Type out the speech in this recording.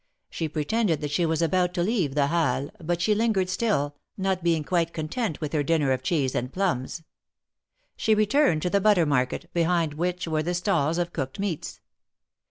She pretended that she was about to leave the Halles, but she lingered still, not being quite content with her dinner of cheese and plums. She returned to the butter market, behind which were the stalls of cooked meats.